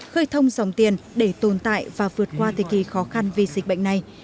khơi thông dòng tiền để tồn tại và vượt qua thời kỳ khó khăn vì dịch bệnh này